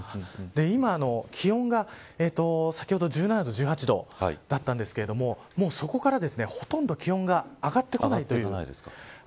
今、気温が、先ほど１７度１８度だったんですがそこから、ほとんど気温が上がってこないという。